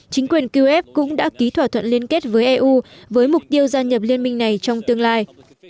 chính quyền kiev cũng đã ký thỏa thuận liên kết với eu với mục tiêu gia nhập liên minh này trong tương lai